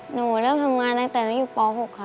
หนูเริ่มทำงานตั้งแต่หนูอยู่ป๖ค่ะ